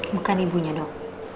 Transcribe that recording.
bukan ibunya dong